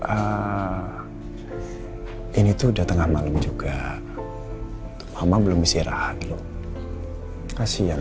pagi ini tuh udah tengah malam juga mama belum cann stored oh kasihan praktikkan